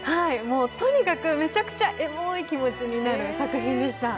とにかくめちゃくちゃエモい気持ちになる作品でした。